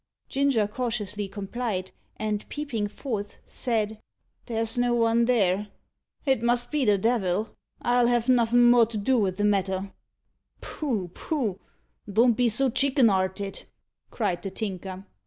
Ginger cautiously complied, and, peeping forth, said "There's no one there. It must be the devil. I'll have nuffin' more to do wi' the matter." "Poh! poh! don't be so chicken 'arted!" cried the Tinker.